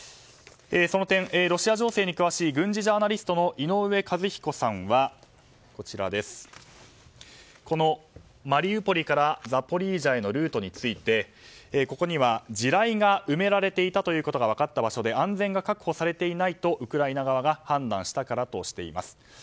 その点、ロシア情勢に詳しい軍事ジャーナリストの井上和彦さんはこのマリウポリからザポリージャへのルートについてここには地雷が埋められていたということが分かった場所で安全が確保されていないとウクライナ側が判断したからだとしています。